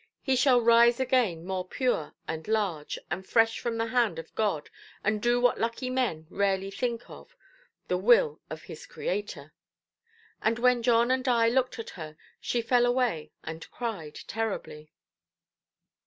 He shall rise again more pure and large, and fresh from the hand of God, and do what lucky men rarely think of—the will of his Creator'. And, when John and I looked at her, she fell away and cried terribly".